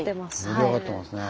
盛り上がってますね。